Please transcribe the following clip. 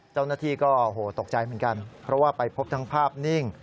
เจ้าหน้าที่ก็ตกใจเหมือนกันเพราะว่าไปพบทั้งภาพนิ่ง